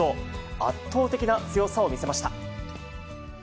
圧倒的な強さを見せました。